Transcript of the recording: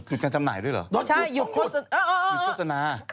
อยู่กันจำหน่ายด้วยหรือใช่หยุดสมนติเย่